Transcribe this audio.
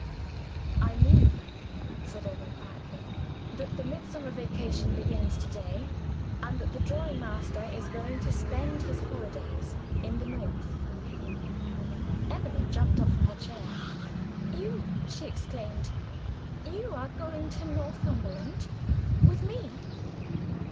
"I mean," said Alban, quietly, "that the Midsummer vacation begins to day; and that the drawing master is going to spend his holidays in the North." Emily jumped up from her chair. "You!" she exclaimed. "You are going to Northumberland? With me?"